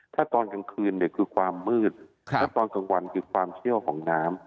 แต่ตอนกลางคืนคือความมืดดับทางวันคือความที่เอาของน้ำ